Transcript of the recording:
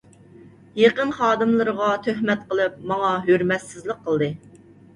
يېقىن خادىملىرىغا تۆھمەت قىلىپ، ماڭا ھۆرمەتسىزلىك قىلدى.